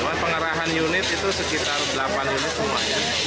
bahwa pengarahan unit itu sekitar delapan unit semuanya